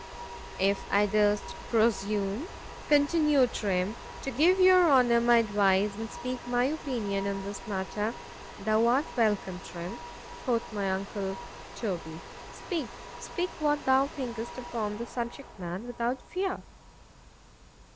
_ If I durst presume, continued Trim, to give your Honour my advice, and speak my opinion in this matter.—Thou art welcome, Trim, quoth my uncle Toby—speak,——speak what thou thinkest upon the subject, man, without fear.